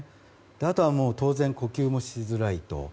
あとは当然呼吸もしづらいと。